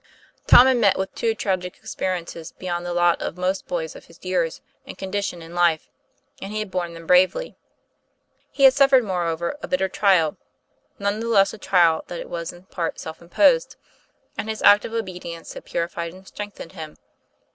Tom had met with two tragic experiences beyond the lot of most boys of his years and condition in life, and he had borne them bravely. He had suffered, moreover, a bitter trial, none the less a trial that it was in part self imposed, and his act of obedience had purified and strengthened him.